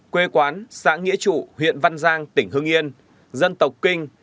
quê quán xã nghĩa trụ huyện văn giang tỉnh hưng yên dân tộc kinh